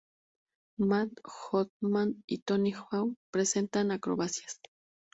Mat Hoffman y Tony Hawk presentan acrobacias.